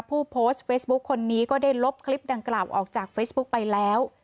ผู้โพสต์เฟซบุ๊คคนนี้ก็ได้ลบคลิปดังกล่าวออกจากเฟซบุ๊กไปแล้ว